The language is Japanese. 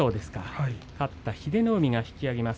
勝った英乃海が引き揚げます。